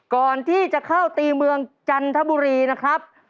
ก่อนที่จะเข้าตีเมืองจันทบุรีนะครับ